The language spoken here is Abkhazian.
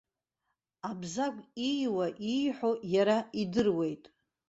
Абзагә ииуа, ииҳәо иара идыруеит.